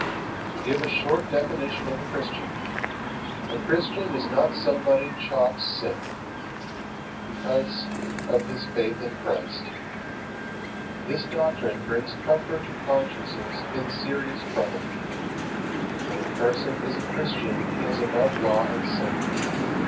To give a short definition of a Christian: A Christian is not somebody who chalks(sp) sin, because of his faith in Christ. This doctrine brings comfort to consciences in serious trouble. When a person is a Christian he is above law and sin.